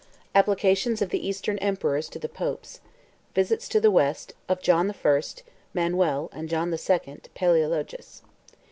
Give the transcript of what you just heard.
Applications Of The Eastern Emperors To The Popes.—Visits To The West, Of John The First, Manuel, And John The Second, Palæologus.